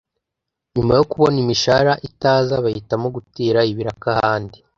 nyuma yo kubona imishahara itaza bahitamo gutera ibiraka ahandi